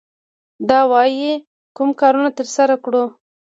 دا وايي کوم کارونه ترسره کړو.